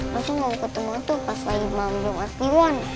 langsung mau ketemu hantu pas lagi mambung artiwan